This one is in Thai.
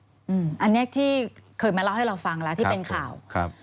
อันนี้ที่เคยมาเล่าให้เราฟังแล้วที่เป็นข่าวครับ